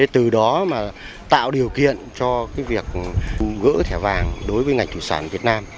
từ đó tạo điều kiện cho việc gỡ thẻ vàng đối với ngành thủy sản việt nam